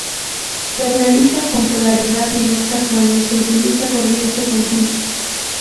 Se realiza con polaridad directa cuando se utiliza corriente continua.